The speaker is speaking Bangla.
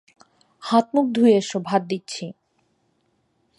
হাত মুখ ধুয়ে এস, ভাত দিচ্ছি।